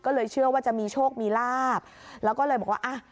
ก็เลยเชื่อว่าจะมีโชคมีลาบแล้วก็เลยบอกว่าอ่ะ